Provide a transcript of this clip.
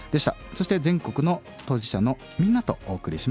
そして全国の当事者のみんなとお送りしました。